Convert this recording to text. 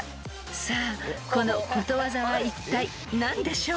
［さあこのことわざはいったい何でしょう？］